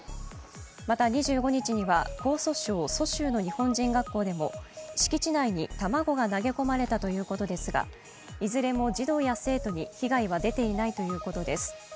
また２５日には江蘇省蘇州の日本人学校でも敷地内に卵が投げ込まれたということですがいずれも児童や生徒に被害は出ていないということです。